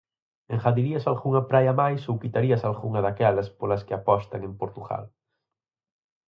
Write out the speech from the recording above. Engadirías algunha praia máis ou quitarías algunha daquelas polas que apostan en Portugal?